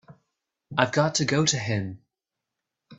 I've got to go to him.